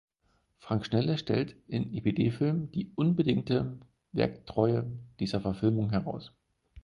Frank Schnelle stellt in epd Film die „unbedingte Werktreue“ dieser Verfilmung heraus.